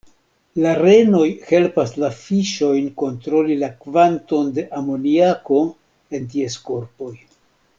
La renoj helpas la fiŝojn kontroli la kvanton de amoniako en ties korpoj.